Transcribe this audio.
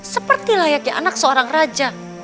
seperti layaknya anak seorang raja